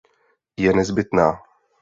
Je nezbytná.